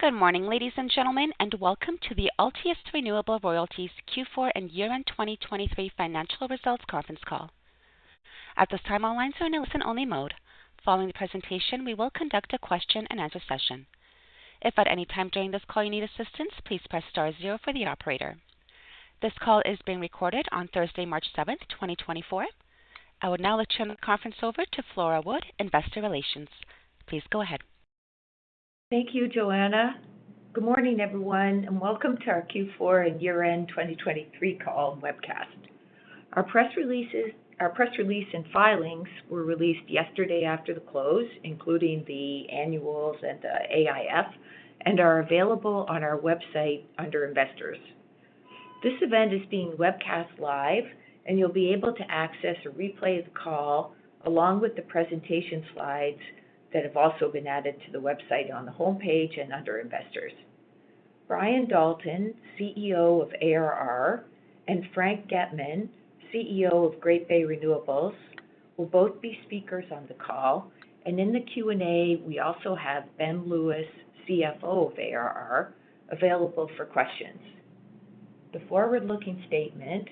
Good morning, ladies and gentlemen, and welcome to the Altius Renewable Royalties Q4 and year-end 2023 financial results conference call. At this time, all lines are in a listen-only mode. Following the presentation, we will conduct a question-and-answer session. If at any time during this call you need assistance, please press star zero for the operator. This call is being recorded on Thursday, March 7, 2024. I would now like to turn the conference over to Flora Wood, Investor Relations. Please go ahead. Thank you, Joanna. Good morning, everyone, and welcome to our Q4 and year-end 2023 call webcast. Our press release and filings were released yesterday after the close, including the annuals and the AIF, and are available on our website under Investors. This event is being webcast live, and you'll be able to access a replay of the call, along with the presentation slides that have also been added to the website on the homepage and under Investors. Brian Dalton, CEO of ARR, and Frank Getman, CEO of Great Bay Renewables, will both be speakers on the call, and in the Q&A, we also have Ben Lewis, CFO of ARR, available for questions. The forward-looking statement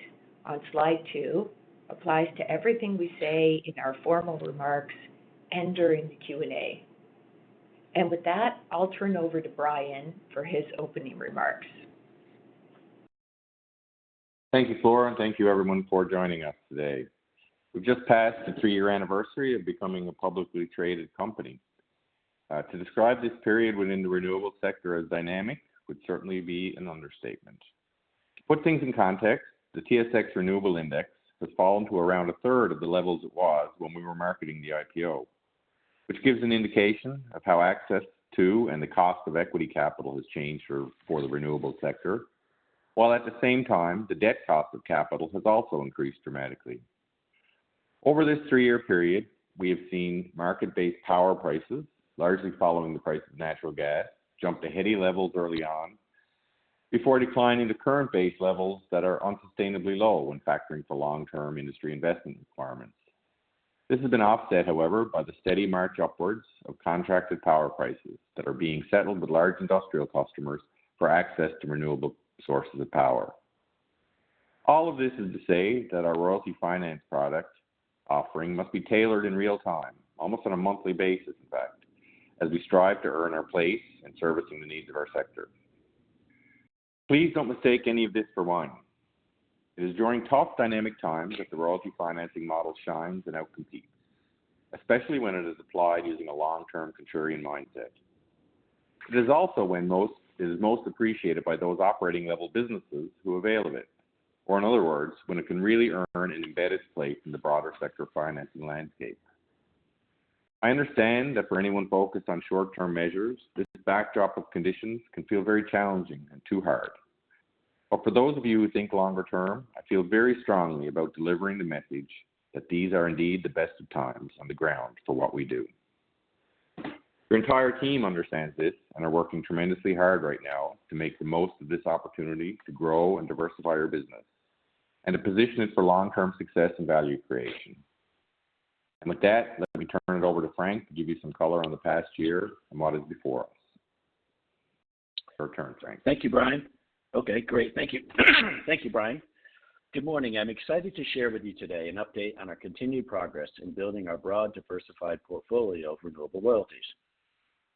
on slide 2 applies to everything we say in our formal remarks and during the Q&A. With that, I'll turn over to Brian for his opening remarks. Thank you, Flora, and thank you everyone for joining us today. We've just passed the three-year anniversary of becoming a publicly traded company. To describe this period within the renewable sector as dynamic would certainly be an understatement. To put things in context, the TSX Renewable Index has fallen to around a third of the levels it was when we were marketing the IPO, which gives an indication of how access to and the cost of equity capital has changed for, for the renewable sector, while at the same time, the debt cost of capital has also increased dramatically. Over this three-year period, we have seen market-based power prices, largely following the price of natural gas, jump to heady levels early on before declining to current base levels that are unsustainably low when factoring for long-term industry investment requirements. This has been offset, however, by the steady march upwards of contracted power prices that are being settled with large industrial customers for access to renewable sources of power. All of this is to say that our royalty finance product offering must be tailored in real time, almost on a monthly basis, in fact, as we strive to earn our place in servicing the needs of our sector. Please don't mistake any of this for whining. It is during tough, dynamic times that the royalty financing model shines and outcompetes, especially when it is applied using a long-term contrarian mindset. It is also when it is most appreciated by those operating-level businesses who avail of it, or in other words, when it can really earn an embedded place in the broader sector financing landscape. I understand that for anyone focused on short-term measures, this backdrop of conditions can feel very challenging and too hard. But for those of you who think longer term, I feel very strongly about delivering the message that these are indeed the best of times on the ground for what we do. Our entire team understands this and are working tremendously hard right now to make the most of this opportunity to grow and diversify our business and to position it for long-term success and value creation. And with that, let me turn it over to Frank to give you some color on the past year and what is before us. It's your turn, Frank. Thank you, Brian. Okay, great. Thank you. Thank you, Brian. Good morning. I'm excited to share with you today an update on our continued progress in building our broad, diversified portfolio of renewable royalties.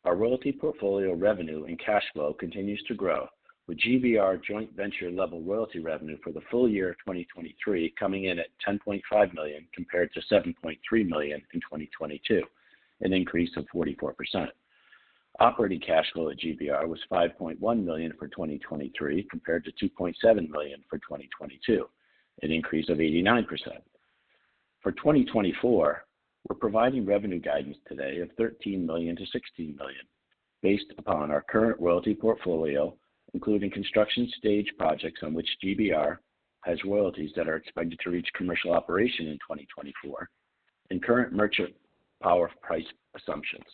Our royalty portfolio revenue and cash flow continues to grow, with GBR joint venture-level royalty revenue for the full year of 2023 coming in at $10.5 million, compared to $7.3 million in 2022, an increase of 44%. Operating cash flow at GBR was $5.1 million for 2023, compared to $2.7 million for 2022, an increase of 89%. For 2024, we're providing revenue guidance today of $13 million-$16 million, based upon our current royalty portfolio, including construction stage projects on which GBR has royalties that are expected to reach commercial operation in 2024 and current merchant power price assumptions.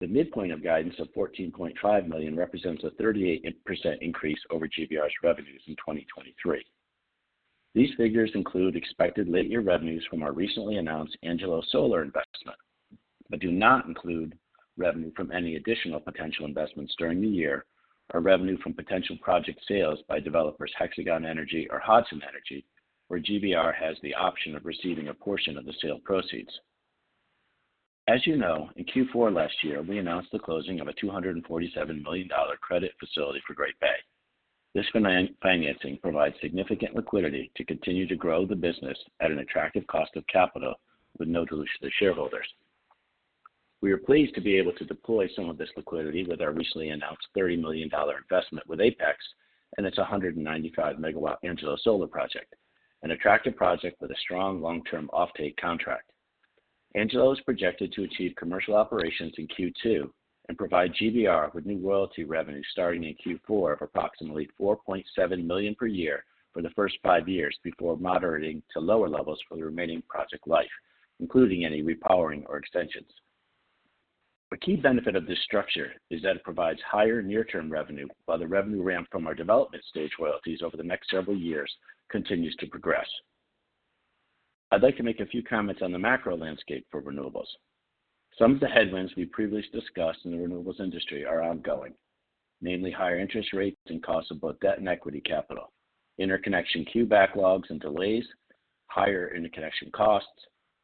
The midpoint of guidance of $14.5 million represents a 38% increase over GBR's revenues in 2023. These figures include expected late-year revenues from our recently announced Angelo Solar investment, but do not include revenue from any additional potential investments during the year or revenue from potential project sales by developers Hexagon Energy or Hodson Energy, where GBR has the option of receiving a portion of the sale proceeds. As you know, in Q4 last year, we announced the closing of a $247 million credit facility for Great Bay. This financing provides significant liquidity to continue to grow the business at an attractive cost of capital with no dilution to shareholders. We are pleased to be able to deploy some of this liquidity with our recently announced $30 million investment with Apex and its 195-megawatt Angelo Solar project, an attractive project with a strong long-term offtake contract. Angelo is projected to achieve commercial operations in Q2 and provide GBR with new royalty revenue starting in Q4 of approximately $4.7 million per year for the first five years before moderating to lower levels for the remaining project life, including any repowering or extensions. A key benefit of this structure is that it provides higher near-term revenue while the revenue ramp from our development stage royalties over the next several years continues to progress. I'd like to make a few comments on the macro landscape for renewables. Some of the headwinds we previously discussed in the renewables industry are ongoing, namely higher interest rates and costs of both debt and equity capital, interconnection queue backlogs and delays, higher interconnection costs,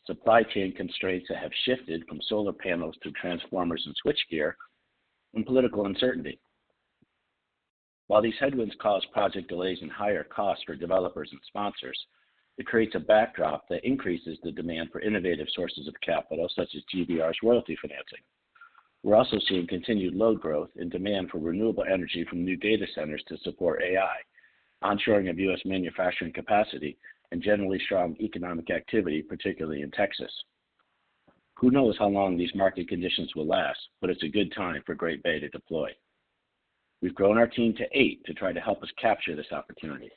supply chain constraints that have shifted from solar panels to transformers and switchgear, and political uncertainty. While these headwinds cause project delays and higher costs for developers and sponsors, it creates a backdrop that increases the demand for innovative sources of capital, such as GBR's royalty financing. We're also seeing continued load growth and demand for renewable energy from new data centers to support AI, onshoring of U.S. manufacturing capacity, and generally strong economic activity, particularly in Texas. Who knows how long these market conditions will last, but it's a good time for Great Bay to deploy. We've grown our team to eight to try to help us capture this opportunity.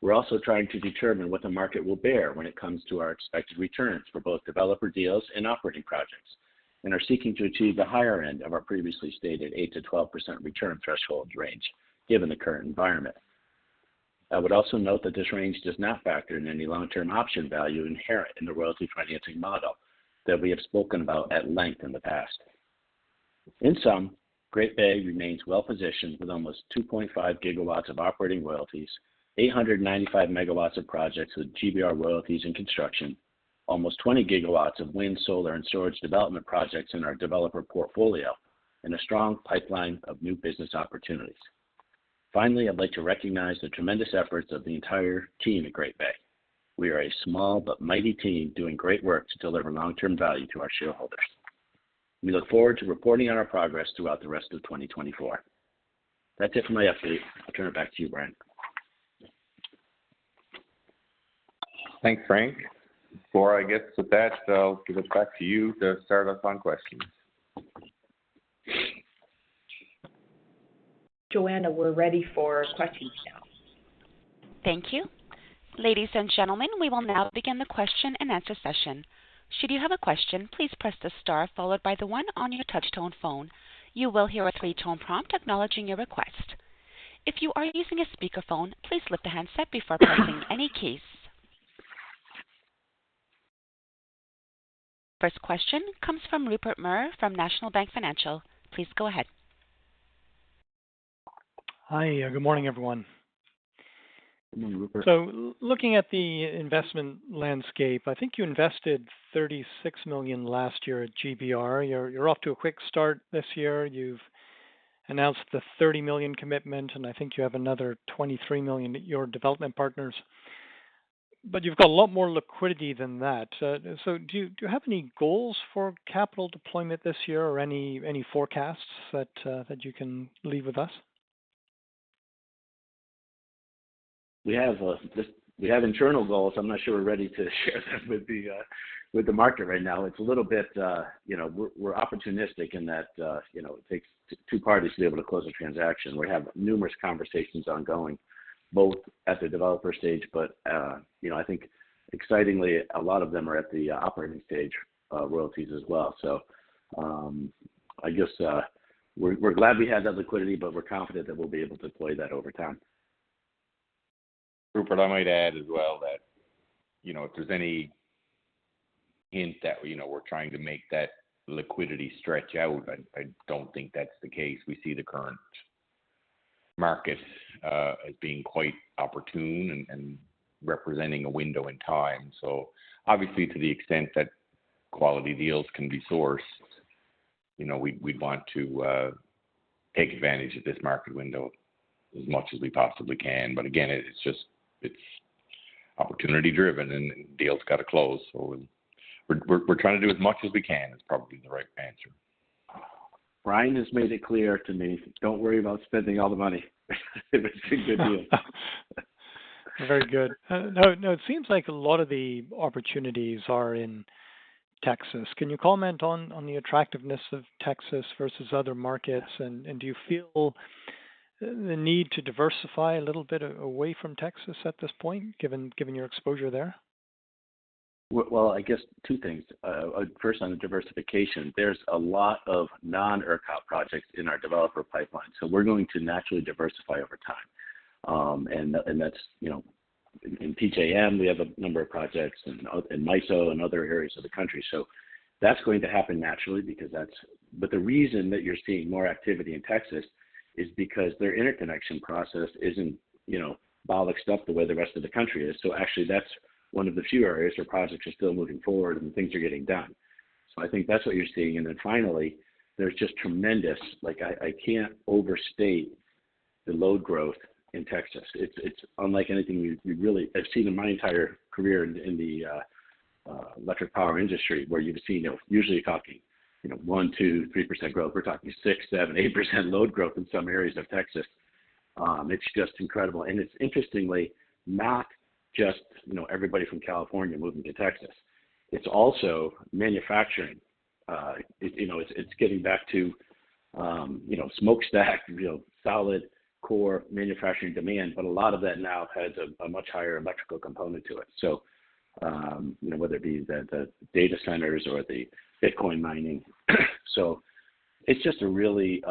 We're also trying to determine what the market will bear when it comes to our expected returns for both developer deals and operating projects, and are seeking to achieve the higher end of our previously stated 8%-12% return threshold range, given the current environment. I would also note that this range does not factor in any long-term option value inherent in the royalty financing model that we have spoken about at length in the past. In sum, Great Bay remains well positioned with almost 2.5 gigawatts of operating royalties, 895 megawatts of projects with GBR royalties in construction, almost 20 gigawatts of wind, solar, and storage development projects in our developer portfolio, and a strong pipeline of new business opportunities. Finally, I'd like to recognize the tremendous efforts of the entire team at Great Bay. We are a small but mighty team doing great work to deliver long-term value to our shareholders. We look forward to reporting on our progress throughout the rest of 2024. That's it for my update. I'll turn it back to you, Brian. Thanks, Frank. Before I get to that, I'll give it back to you to start us on questions. Joanna, we're ready for questions now. Thank you. Ladies and gentlemen, we will now begin the question-and-answer session. Should you have a question, please press the star followed by the one on your touchtone phone. You will hear a three-tone prompt acknowledging your request. If you are using a speakerphone, please lift the handset before pressing any keys. First question comes from Rupert Merer, from National Bank Financial. Please go ahead. Hi, good morning, everyone. Good morning, Rupert. So looking at the investment landscape, I think you invested $36 million last year at GBR. You're off to a quick start this year. You've announced the $30 million commitment, and I think you have another $23 million at your development partners, but you've got a lot more liquidity than that. So do you have any goals for capital deployment this year or any forecasts that you can leave with us? We have internal goals. I'm not sure we're ready to share them with the market right now. It's a little bit, you know, we're opportunistic in that, you know, it takes two parties to be able to close a transaction. We have numerous conversations ongoing, both at the developer stage, but, you know, I think excitingly, a lot of them are at the operating stage, royalties as well. So, I guess, we're glad we had that liquidity, but we're confident that we'll be able to deploy that over time. Rupert, I might add as well that, you know, if there's any hint that, you know, we're trying to make that liquidity stretch out, I don't think that's the case. We see the current market as being quite opportune and representing a window in time. So obviously, to the extent that quality deals can be sourced, you know, we'd want to take advantage of this market window as much as we possibly can. But again, it's just, it's opportunity driven, and deals got to close, so we're trying to do as much as we can, is probably the right answer. Brian has made it clear to me, don't worry about spending all the money. If it's a good deal. Very good. Now, it seems like a lot of the opportunities are in Texas. Can you comment on the attractiveness of Texas versus other markets? And do you feel the need to diversify a little bit away from Texas at this point, given your exposure there? Well, I guess two things. First, on the diversification, there's a lot of non-ERCOT projects in our developer pipeline, so we're going to naturally diversify over time. And that's, you know... In PJM, we have a number of projects, and in MISO and other areas of the country. So that's going to happen naturally, because that's, but the reason that you're seeing more activity in Texas is because their interconnection process isn't, you know, bollocked up the way the rest of the country is. So actually, that's one of the few areas where projects are still moving forward and things are getting done. So I think that's what you're seeing. And then finally, there's just tremendous, like, I can't overstate the load growth in Texas. It's unlike anything you'd really—I've seen in my entire career in the electric power industry, where you've seen, you know, usually you're talking, you know, 1, 2, 3% growth. We're talking 6, 7, 8% load growth in some areas of Texas. It's just incredible. And it's interestingly, not just, you know, everybody from California moving to Texas. It's also manufacturing. You know, it's getting back to, you know, smokestack, you know, solid core manufacturing demand, but a lot of that now has a much higher electrical component to it. So, you know, whether it be the data centers or the Bitcoin mining. It's just a really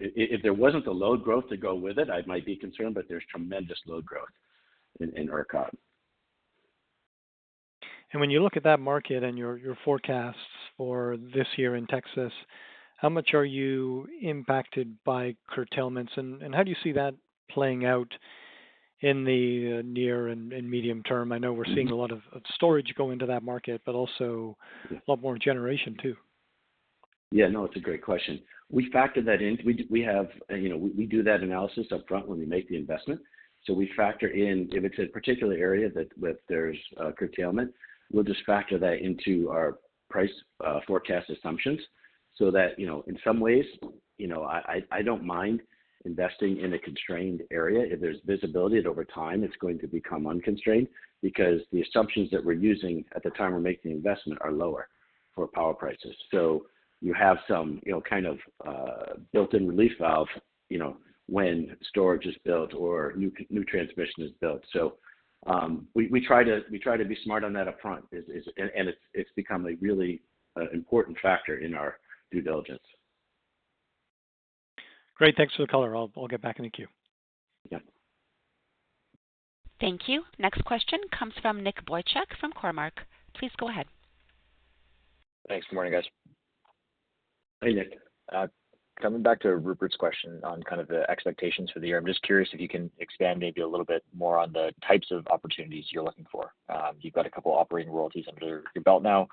if there wasn't the load growth to go with it, I might be concerned, but there's tremendous load growth in ERCOT. And when you look at that market and your forecasts for this year in Texas, how much are you impacted by curtailments, and how do you see that playing out in the near and medium term? I know we're seeing a lot of storage go into that market, but also a lot more generation, too. Yeah, no, it's a great question. We factor that in. We have, you know, we do that analysis upfront when we make the investment. So we factor in, if it's a particular area that, with there's curtailment, we'll just factor that into our price forecast assumptions so that, you know, in some ways, you know, I don't mind investing in a constrained area if there's visibility that over time it's going to become unconstrained. Because the assumptions that we're using at the time we're making the investment are lower for power prices. So you have some, you know, kind of built-in relief valve, you know, when storage is built or new transmission is built. So, we try to be smart on that upfront. It's become a really important factor in our due diligence. Great. Thanks for the color. I'll get back in the queue. Yeah. Thank you. Next question comes from Nick Boychuk from Cormark. Please go ahead. Thanks. Good morning, guys. Hey, Nick. Coming back to Rupert's question on kind of the expectations for the year, I'm just curious if you can expand maybe a little bit more on the types of opportunities you're looking for. You've got a couple operating royalties under your belt now,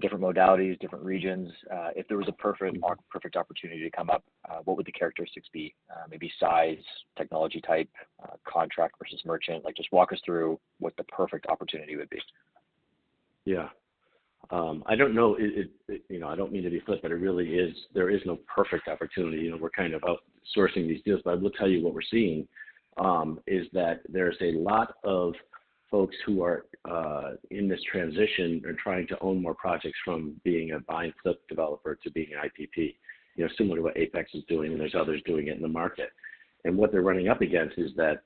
different modalities, different regions. If there was a perfect, perfect opportunity to come up, what would the characteristics be? Maybe size, technology type, contract versus merchant. Like, just walk us through what the perfect opportunity would be. Yeah. I don't know, you know, I don't mean to be flip, but it really is—there is no perfect opportunity. You know, we're kind of outsourcing these deals, but I will tell you what we're seeing is that there's a lot of folks who are in this transition and trying to own more projects from being a buy and flip developer to being an IPP. You know, similar to what Apex is doing, and there's others doing it in the market. And what they're running up against is that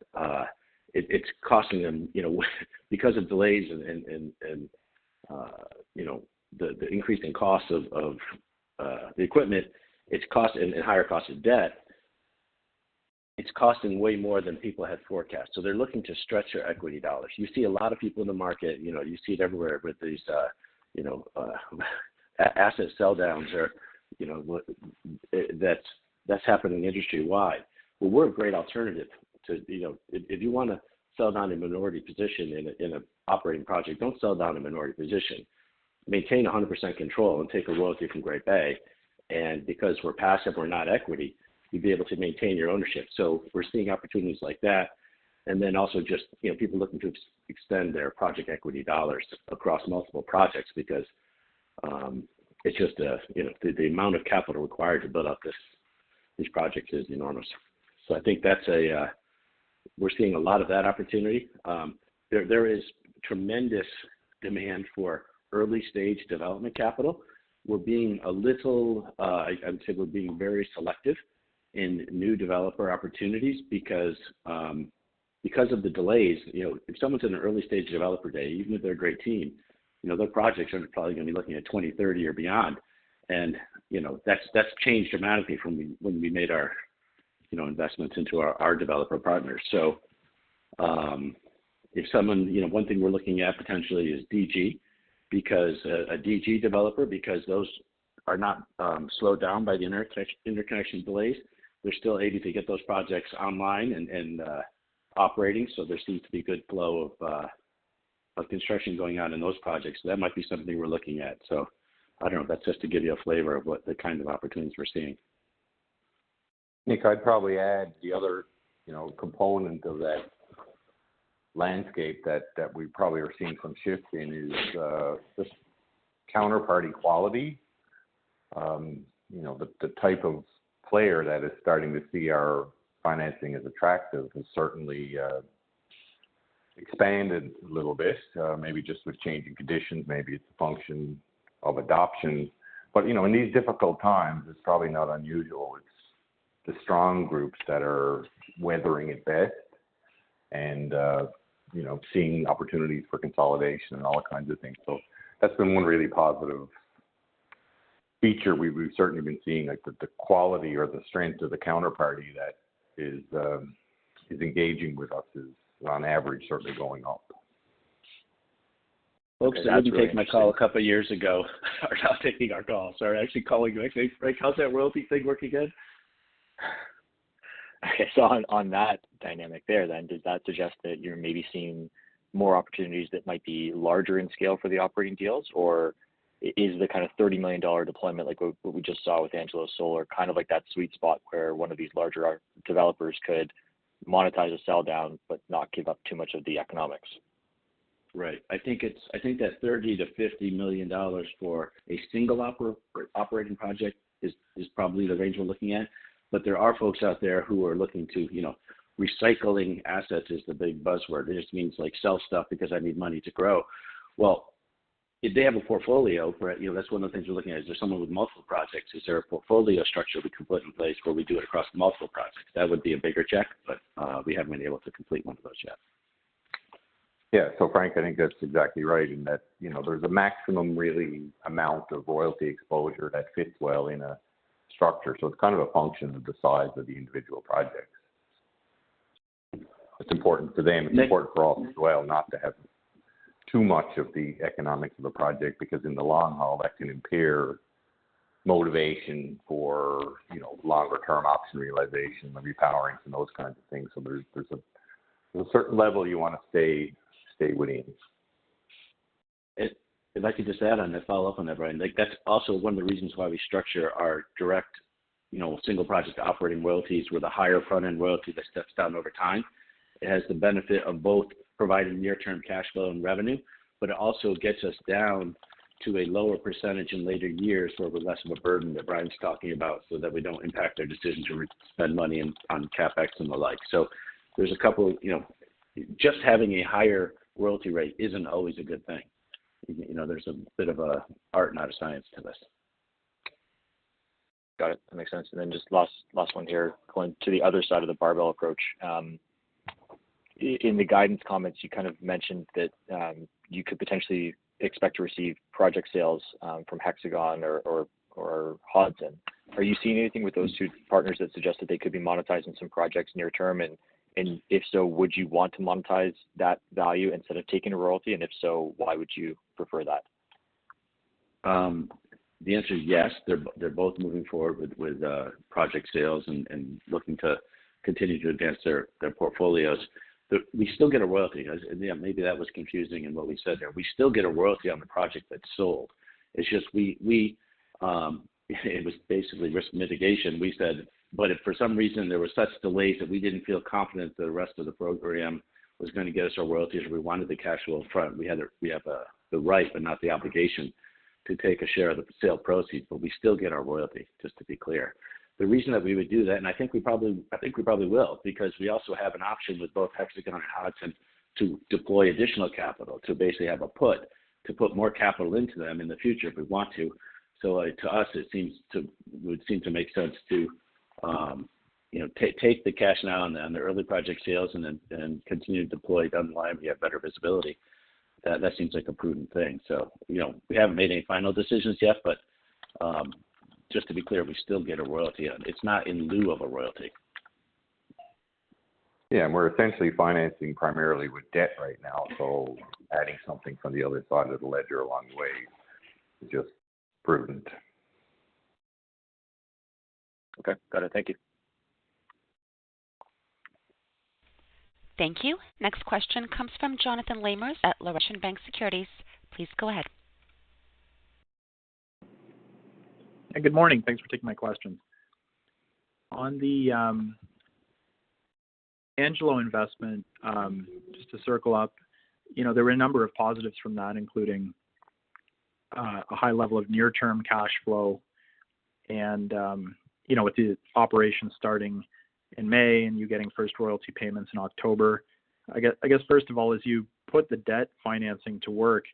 it's costing them, you know, because of delays and you know, the increase in cost of the equipment, it's costing—and higher cost of debt, it's costing way more than people had forecast. So they're looking to stretch their equity dollars. You see a lot of people in the market, you know. You see it everywhere with these, you know, asset sell downs or, you know, what, that's happened industry-wide. Well, we're a great alternative to that. You know, if you want to sell down a minority position in an operating project, don't sell down a minority position. Maintain 100% control and take a royalty from Great Bay, and because we're passive, we're not equity, you'd be able to maintain your ownership. So we're seeing opportunities like that, and then also just, you know, people looking to extend their project equity dollars across multiple projects because it's just, you know, the amount of capital required to build out these projects is enormous. So I think that's it. We're seeing a lot of that opportunity. There is tremendous demand for early-stage development capital. We're being a little, I'd say we're being very selective in new developer opportunities because of the delays. You know, if someone's in an early stage of development, even if they're a great team, you know, their projects are probably going to be looking at 20, 30 or beyond. And, you know, that's changed dramatically from when we made our, you know, investments into our developer partners. So, if someone—you know, one thing we're looking at potentially is DG, because a DG developer, because those are not slowed down by the interconnection delays. They're still aiming to get those projects online and operating, so there seems to be good flow of construction going on in those projects. That might be something we're looking at. I don't know. That's just to give you a flavor of what the kinds of opportunities we're seeing. Nick, I'd probably add the other, you know, component of that landscape that we probably are seeing some shift in is, just counterparty quality. You know, the type of player that is starting to see our financing as attractive has certainly expanded a little bit, maybe just with changing conditions, maybe it's a function of adoption. But, you know, in these difficult times, it's probably not unusual. It's the strong groups that are weathering it best and, you know, seeing opportunities for consolidation and all kinds of things. So that's been one really positive feature. We've certainly been seeing, like, the quality or the strength of the counterparty that is engaging with us is, on average, certainly going up. Folks that would be taking my call a couple of years ago are now taking our call. Sorry, actually calling, like, "Hey, Frank, how's that royalty thing working good?" Okay, so on that dynamic there, then, does that suggest that you're maybe seeing more opportunities that might be larger in scale for the operating deals? Or is the kind of $30 million deployment, like what we just saw with Angelo Solar, kind of like that sweet spot where one of these larger developers could monetize a sell down but not give up too much of the economics? Right. I think that $30 million-$50 million for a single operating project is probably the range we're looking at. But there are folks out there who are looking to, you know, recycling assets is the big buzzword. It just means, like, sell stuff because I need money to grow. Well, if they have a portfolio, right, you know, that's one of the things we're looking at, is there someone with multiple projects? Is there a portfolio structure we can put in place where we do it across multiple projects? That would be a bigger check, but we haven't been able to complete one of those yet.... Yeah, so Frank, I think that's exactly right, in that, you know, there's a maximum really amount of royalty exposure that fits well in a structure. So it's kind of a function of the size of the individual projects. It's important to them, it's important for us as well, not to have too much of the economics of the project, because in the long haul, that can impair motivation for, you know, longer-term option realization, repowering, and those kinds of things. So there's a certain level you want to stay within. If I could just add on to follow up on that, Brian. Like, that's also one of the reasons why we structure our direct, you know, single project operating royalties with a higher front-end royalty that steps down over time. It has the benefit of both providing near-term cash flow and revenue, but it also gets us down to a lower percentage in later years, so we're less of a burden that Brian's talking about, so that we don't impact their decision to respend money on CapEx and the like. So there's a couple-- you know, just having a higher royalty rate isn't always a good thing. You know, there's a bit of a art, not a science to this. Got it. That makes sense. And then just the last one here, going to the other side of the barbell approach. In the guidance comments, you kind of mentioned that you could potentially expect to receive project sales from Hexagon or Hodson. Are you seeing anything with those two partners that suggest that they could be monetizing some projects near term? And if so, would you want to monetize that value instead of taking a royalty? And if so, why would you prefer that? The answer is yes. They're both moving forward with project sales and looking to continue to advance their portfolios. We still get a royalty. Yeah, maybe that was confusing in what we said there. We still get a royalty on the project that's sold. It's just we, we, it was basically risk mitigation. We said, but if for some reason there were such delays that we didn't feel confident that the rest of the program was going to get us our royalties, we wanted the cash flow up front. We had the, we have, the right, but not the obligation to take a share of the sale proceeds, but we still get our royalty, just to be clear. The reason that we would do that, and I think we probably, I think we probably will, because we also have an option with both Hexagon and Hodson to deploy additional capital, to basically have a put, to put more capital into them in the future if we want to. So, like, to us, it seems to would seem to make sense to, you know, take the cash now on the early project sales and then, and continue to deploy down the line, we have better visibility. That, that seems like a prudent thing. So, you know, we haven't made any final decisions yet, but, just to be clear, we still get a royalty on. It's not in lieu of a royalty. Yeah, and we're essentially financing primarily with debt right now, so adding something from the other side of the ledger along the way is just prudent. Okay, got it. Thank you. Thank you. Next question comes from Jonathan Lamers at Laurentian Bank Securities. Please go ahead. Hey, good morning. Thanks for taking my question. On the Angelo investment, just to circle up, you know, there were a number of positives from that, including a high level of near-term cash flow and, you know, with the operation starting in May and you getting first royalty payments in October. I guess, I guess, first of all, as you put the debt financing to work,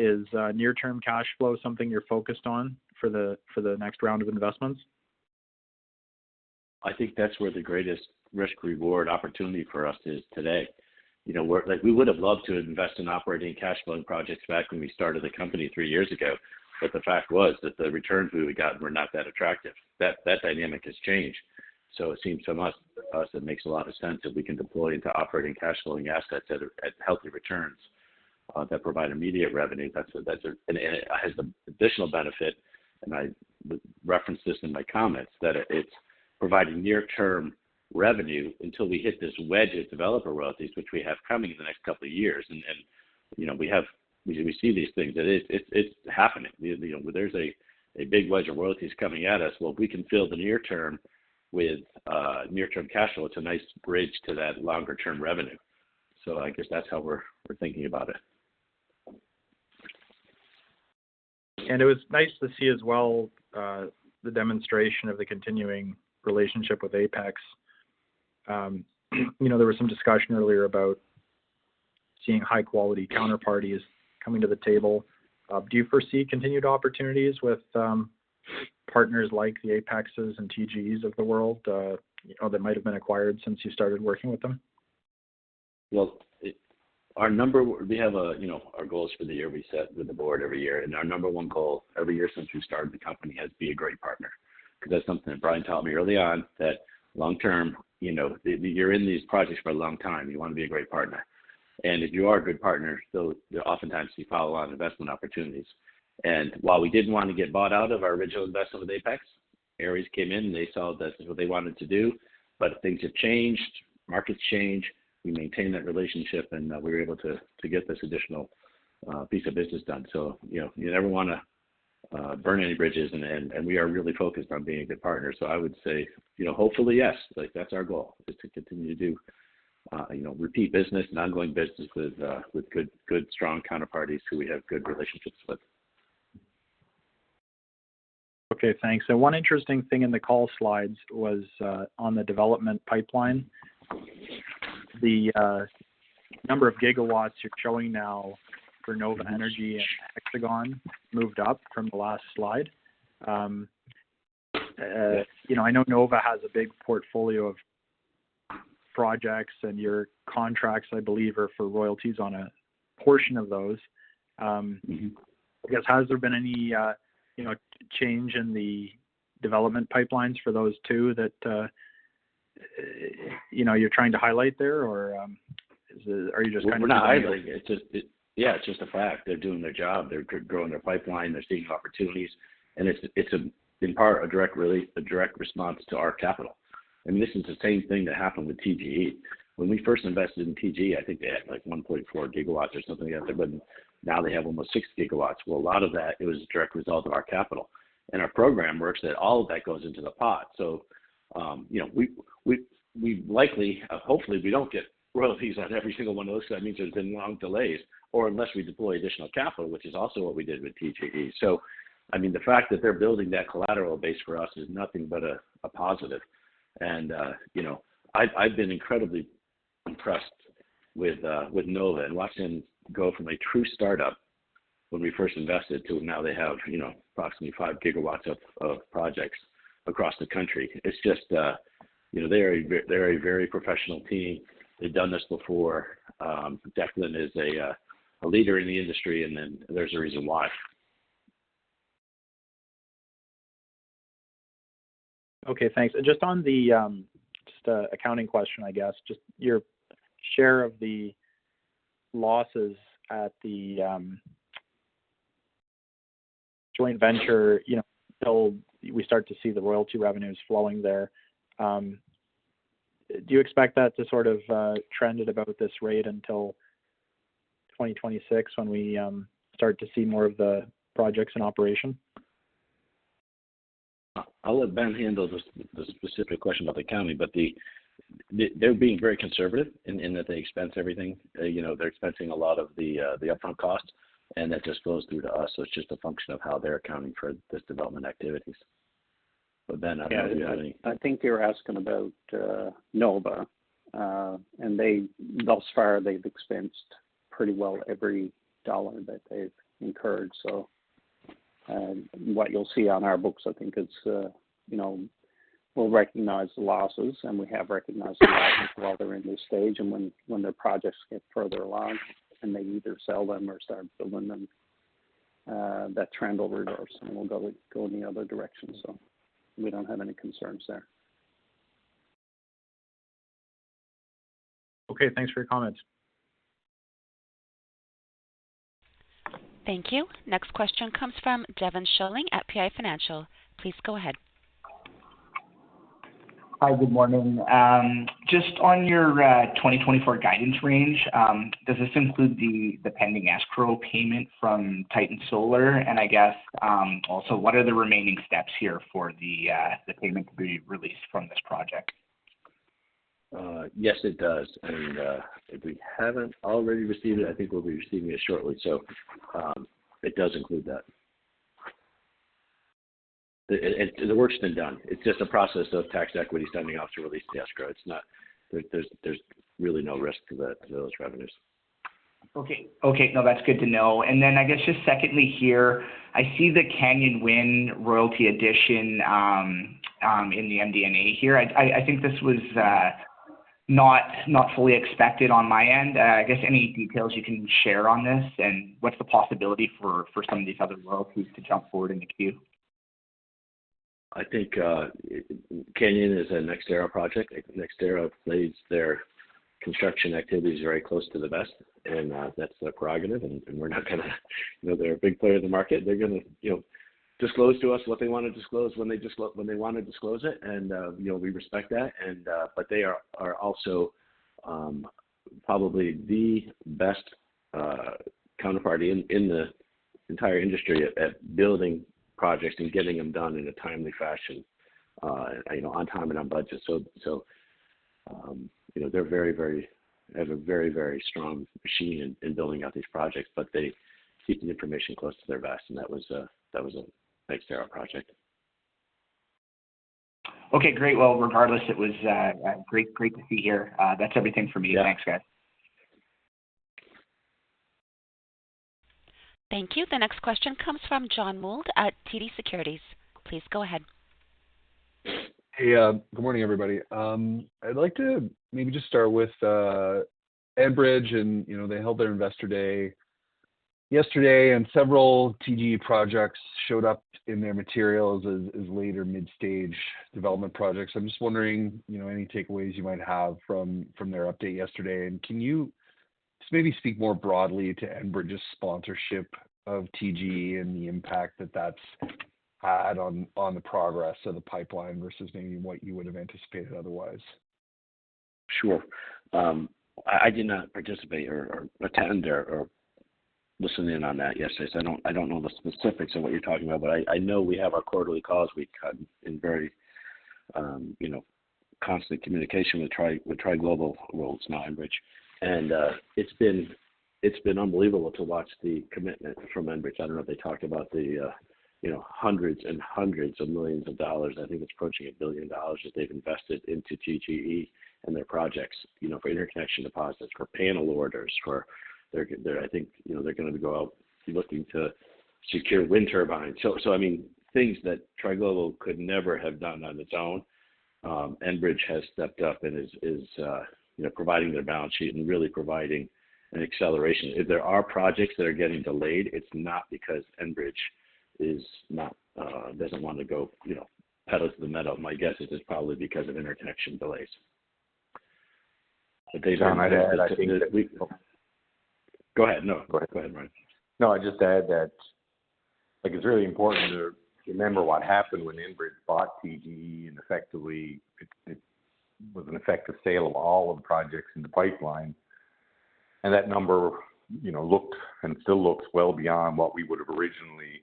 is near-term cash flow something you're focused on for the next round of investments? I think that's where the greatest risk-reward opportunity for us is today. You know, we're like, we would have loved to invest in operating cash flow projects back when we started the company three years ago, but the fact was that the returns we would have gotten were not that attractive. That dynamic has changed. So it seems to us it makes a lot of sense that we can deploy into operating cash flowing assets at healthy returns that provide immediate revenue. That's... And it has the additional benefit, and I referenced this in my comments, that it's providing near-term revenue until we hit this wedge of developer royalties, which we have coming in the next couple of years. And you know, we see these things that it's happening. You know, there's a big wedge of royalties coming at us. Well, if we can fill the near term with near-term cash flow, it's a nice bridge to that longer-term revenue. So I guess that's how we're thinking about it. It was nice to see as well, the demonstration of the continuing relationship with Apex. You know, there was some discussion earlier about seeing high-quality counterparties coming to the table. Do you foresee continued opportunities with, partners like the Apexes and TGEs of the world, or that might have been acquired since you started working with them? Well, we have a, you know, our goals for the year we set with the board every year, and our number one goal every year since we started the company has been a great partner. Because that's something that Brian taught me early on, that long term, you know, you're in these projects for a long time, you want to be a great partner. And if you are a good partner, so oftentimes you follow a lot of investment opportunities. And while we didn't want to get bought out of our original investment with Apex, Ares came in, and they saw this is what they wanted to do, but things have changed, markets change, we maintained that relationship, and we were able to get this additional piece of business done. So, you know, you never want to burn any bridges, and we are really focused on being a good partner. So I would say, you know, hopefully, yes, like, that's our goal, is to continue to do, you know, repeat business and ongoing business with good strong counterparties who we have good relationships with. Okay, thanks. So one interesting thing in the call slides was on the development pipeline. The number of gigawatts you're showing now for Nova Clean Energy and Hexagon Energy moved up from the last slide. You know, I know Nova Clean Energy has a big portfolio of projects, and your contracts, I believe, are for royalties on a portion of those. I guess, has there been any, you know, change in the development pipelines for those two that, you know, you're trying to highlight there, or, is it, are you just- We're not highlighting. It's just it. Yeah, it's just a fact. They're doing their job, they're growing their pipeline, they're seeing opportunities, and it's, in part, a direct release, a direct response to our capital. I mean, this is the same thing that happened with TGE. When we first invested in TGE, I think they had, like, 1.4 gigawatts or something like that, but now they have almost 6 gigawatts. Well, a lot of that, it was a direct result of our capital. And our program works, that all of that goes into the pot. So, you know, we likely, hopefully, we don't get royalties on every single one of those. So that means there's been long delays or unless we deploy additional capital, which is also what we did with TGE. So, I mean, the fact that they're building that collateral base for us is nothing but a positive. And, you know, I've been incredibly impressed with Nova and watching them go from a true start-up when we first invested, to now they have, you know, approximately 5 gigawatts of projects across the country. It's just, you know, they're a very, very professional team. They've done this before. Declan is a leader in the industry, and then there's a reason why. Okay, thanks. Just on the accounting question I guess, just your share of the losses at the joint venture, you know, till we start to see the royalty revenues flowing there. Do you expect that to sort of trend at about this rate until 2026, when we start to see more of the projects in operation? I'll let Ben handle the specific question about the accounting, but they're being very conservative in that they expense everything. You know, they're expensing a lot of the upfront costs, and that just flows through to us. So it's just a function of how they're accounting for this development activities. But Ben, I don't know if you have any- Yeah. I think you're asking about Nova, and they thus far, they've expensed pretty well every dollar that they've incurred. So, what you'll see on our books, I think, is, you know, we'll recognize the losses, and we have recognized the losses while they're in this stage. And when their projects get further along and they either sell them or start building them, that trend will reverse, and we'll go in the other direction. So we don't have any concerns there. Okay, thanks for your comments. Thank you. Next question comes from Devin Schilling at PI Financial. Please go ahead. Hi, good morning. Just on your, 2024 guidance range, does this include the, the pending escrow payment from Titan Solar? And I guess, also, what are the remaining steps here for the, the payment to be released from this project? Yes, it does. And if we haven't already received it, I think we'll be receiving it shortly. So it does include that. And the work's been done. It's just a process of tax equity sending off to release the escrow. It's not. There's really no risk to those revenues. Okay. Okay, no, that's good to know. And then I guess just secondly here, I see the Canyon Wind royalty addition in the MD&A here. I think this was not fully expected on my end. I guess any details you can share on this, and what's the possibility for some of these other royalties to jump forward in the queue? I think Canyon is a NextEra project. NextEra plays their construction activities very close to the vest, and that's their prerogative, and we're not going to you know, they're a big player in the market. They're going to, you know, disclose to us what they want to disclose, when they want to disclose it, and you know, we respect that. But they are also probably the best counterparty in the entire industry at building projects and getting them done in a timely fashion, you know, on time and on budget. So you know, they're very, very... They have a very, very strong machine in building out these projects, but they keep the information close to their vest, and that was a NextEra project. Okay, great. Well, regardless, it was great, great to see you here. That's everything for me. Yeah. Thanks, guys. Thank you. The next question comes from John Mould at TD Securities. Please go ahead. Hey, good morning, everybody. I'd like to maybe just start with Enbridge, and, you know, they held their investor day yesterday, and several TGE projects showed up in their materials as later mid-stage development projects. I'm just wondering, you know, any takeaways you might have from their update yesterday? And can you just maybe speak more broadly to Enbridge's sponsorship of TGE and the impact that that's had on the progress of the pipeline versus maybe what you would have anticipated otherwise? Sure. I did not participate or attend or listen in on that yesterday, so I don't know the specifics of what you're talking about. But I know we have our quarterly calls. We've cut in very, you know, constant communication with Tri, with Tri Global. Well, it's now Enbridge, and it's been unbelievable to watch the commitment from Enbridge. I don't know if they talked about the, you know, hundreds and hundreds of millions of dollars. I think it's approaching $1 billion that they've invested into TGE and their projects, you know, for interconnection deposits, for panel orders, for their, I think, you know, they're going to go out looking to secure wind turbines. So, I mean, things that Tri Global could never have done on its own... Enbridge has stepped up and is, you know, providing their balance sheet and really providing an acceleration. If there are projects that are getting delayed, it's not because Enbridge is not doesn't want to go, you know, pedals to the metal. My guess is it's probably because of interconnection delays. John, I'd add to that. Go ahead. No, go ahead, Brian. No, I'd just add that, like, it's really important to remember what happened when Enbridge bought TGE, and effectively, it was an effective sale of all of the projects in the pipeline. And that number, you know, looked and still looks well beyond what we would have originally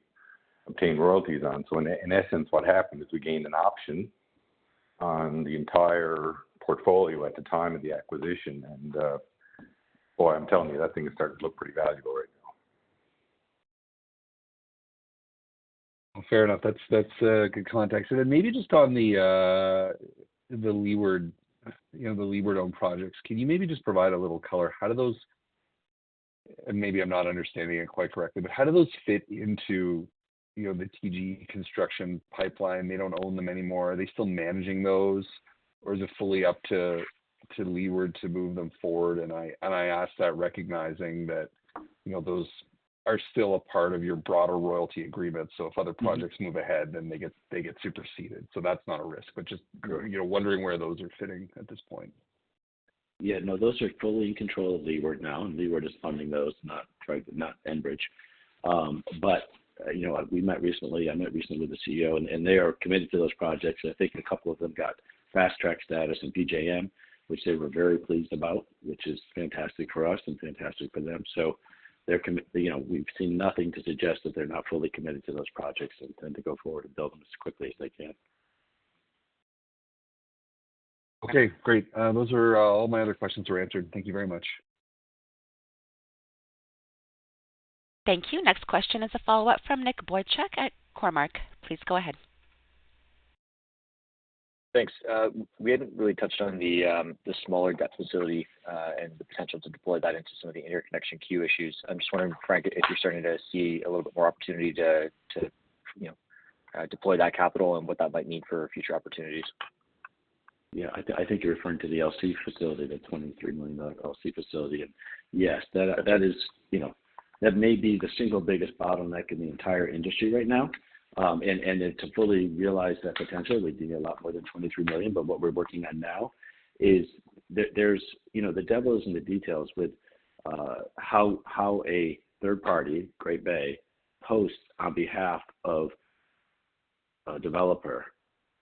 obtained royalties on. So in essence, what happened is we gained an option on the entire portfolio at the time of the acquisition. And, boy, I'm telling you, that thing is starting to look pretty valuable right now. Fair enough. That's, that's a good context. And then maybe just on the, the Leeward, you know, the Leeward-owned projects, can you maybe just provide a little color? How do those... Maybe I'm not understanding it quite correctly, but how do those fit into, you know, the TGE construction pipeline? They don't own them anymore. Are they still managing those, or is it fully up to, to Leeward to move them forward? And I, and I ask that recognizing that, you know, those are still a part of your broader royalty agreement, so if other projects move ahead, then they get, they get superseded. So that's not a risk, but just, you know, wondering where those are fitting at this point. Yeah, no, those are fully in control of Leeward now, and Leeward is funding those, not Frank, not Enbridge. But, you know, we met recently, I met recently with the CEO, and they are committed to those projects. I think a couple of them got fast track status in PJM, which they were very pleased about, which is fantastic for us and fantastic for them. So they're committed. You know, we've seen nothing to suggest that they're not fully committed to those projects and intend to go forward and build them as quickly as they can. Okay, great. Those are all. My other questions were answered. Thank you very much. Thank you. Next question is a follow-up from Nick Boychuk at Cormark. Please go ahead. Thanks. We hadn't really touched on the smaller debt facility, and the potential to deploy that into some of the interconnection queue issues. I'm just wondering, Frank, if you're starting to see a little bit more opportunity to you know deploy that capital and what that might mean for future opportunities? Yeah, I think you're referring to the LC facility, the $23 million LC facility. And yes, that, that is, you know, that may be the single biggest bottleneck in the entire industry right now. And then to fully realize that potential, we do need a lot more than $23 million. But what we're working on now is there's, you know, the devil is in the details with how a third party, Great Bay, hosts on behalf of a developer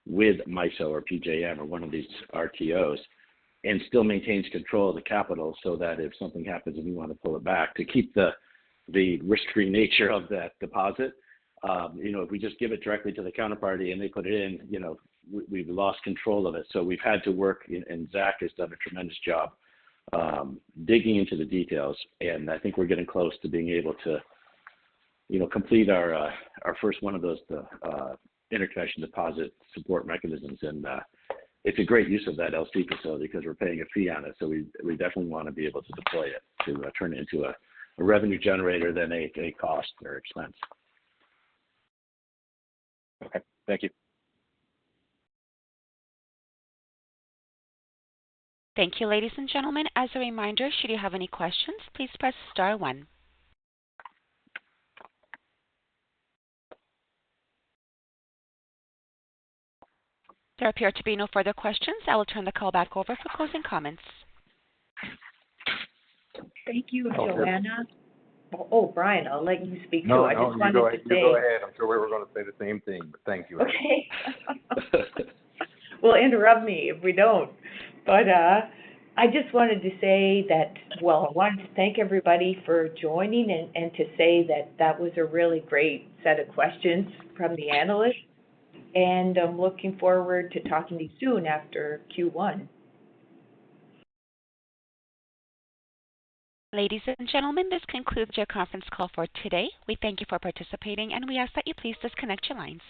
with MISO or PJM or one of these RTOs and still maintains control of the capital so that if something happens and we want to pull it back to keep the risk-free nature of that deposit. You know, if we just give it directly to the counterparty and they put it in, you know, we, we've lost control of it. So we've had to work, and Zach has done a tremendous job, digging into the details, and I think we're getting close to being able to, you know, complete our first one of those interconnection deposit support mechanisms. And it's a great use of that LC facility because we're paying a fee on it, so we definitely want to be able to deploy it to turn it into a revenue generator than a cost or expense. Okay. Thank you. Thank you, ladies and gentlemen. As a reminder, should you have any questions, please press star one. There appear to be no further questions. I will turn the call back over for closing comments. Thank you, Joanna. Oh, Brian, I'll let you speak too. No, no, you go ahead. I just wanted to say- You go ahead. I'm sure we were going to say the same thing, but thank you. Okay. Well, interrupt me if we don't. But, I just wanted to say that... Well, I wanted to thank everybody for joining and to say that that was a really great set of questions from the analysts, and I'm looking forward to talking to you soon after Q1. Ladies and gentlemen, this concludes your conference call for today. We thank you for participating, and we ask that you please disconnect your lines.